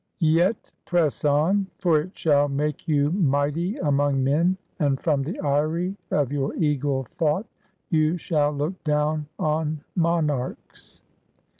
Yet press on ! For it shall make you mighty among men ; And from the eyrie of your eagle thought, Yon shall look do^vn on monarchs